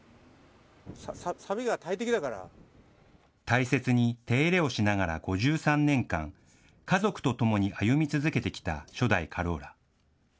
大切に手入れをしながら５３年間、家族と共に歩み続けてきた初代カローラ。